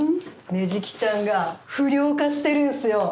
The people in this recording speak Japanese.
捻木ちゃんが不良化してるんすよ！